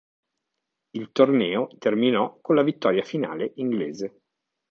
Il torneo terminò con la vittoria finale inglese.